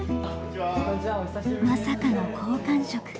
まさかの好感触！